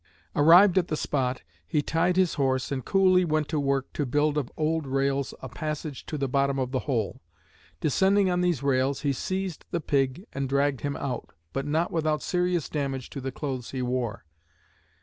Arrived at the spot, he tied his horse, and coolly went to work to build of old rails a passage to the bottom of the hole. Descending on these rails, he seized the pig and dragged him out, but not without serious damage to the clothes he wore.